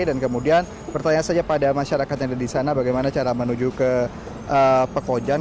dan kemudian bertanya saja pada masyarakat yang ada di sana bagaimana cara menuju ke pekojan